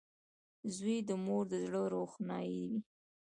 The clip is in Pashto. • زوی د مور د زړۀ روښنایي وي.